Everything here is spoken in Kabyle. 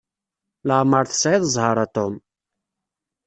Leɛmeṛ tesɛiḍ zzheṛ a Tom.